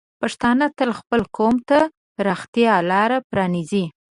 پښتانه تل خپل قوم ته د پراختیا لار پرانیزي.